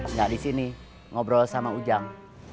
nggak di sini ngobrol sama ujang